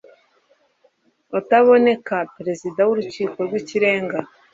ataboneka Perezida w Urukiko rw Ikirenga